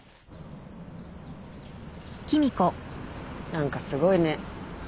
何かすごいね。